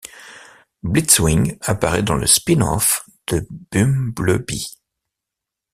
Blitzwing apparaît dans le spin off de Bumblebee.